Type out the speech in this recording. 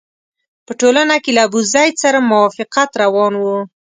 په ټولنه کې له ابوزید سره موافقت روان وو.